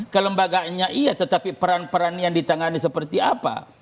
kelembagaannya iya tetapi peran peran yang ditangani seperti apa